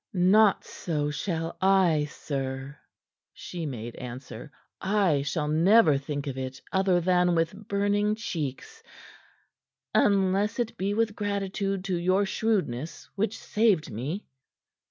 "Not so shall I, sir," she made answer. "I shall never think of it other than with burning cheeks unless it be with gratitude to your shrewdness which saved me."